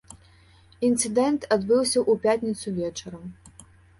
Інцыдэнт адбыўся ў пятніцу вечарам.